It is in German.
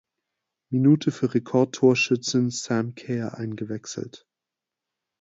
Minute für Rekordtorschützin Sam Kerr eingewechselt.